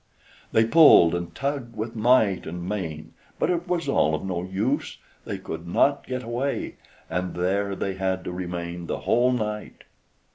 They pulled and tugged with might and main, but it was all of no use; they could not get away, and there they had to remain the whole night.